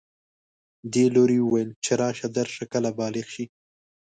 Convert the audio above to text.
دې لوري ویل چې راشه درشه کله بالغ شي